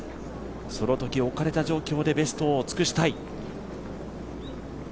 そのとき置かれた状況でベストを尽くしたい。